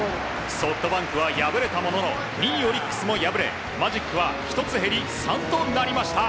ソフトバンクは敗れたものの２位オリックスも敗れマジックは１つ減り３となりました。